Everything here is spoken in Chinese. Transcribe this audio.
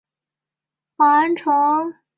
建元是新罗君主法兴王和真兴王之年号。